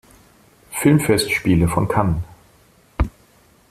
Filmfestspiele von Cannes